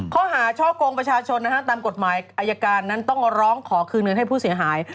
ข้อหาช่อกงประชาชนนะฮะตามกฎหมายอายการนั้นต้องร้องขอคืนเงินให้ผู้เสียหาย